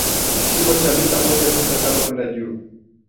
kimo cha mita moja nukta tano kwenda juu